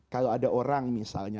kalau ada orang misalnya